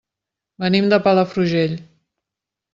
Venim de Palafrugell.